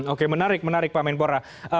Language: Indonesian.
oke menarik menarik pak menpora